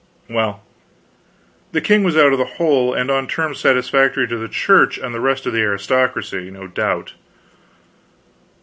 Well, the king was out of the hole; and on terms satisfactory to the Church and the rest of the aristocracy, no doubt.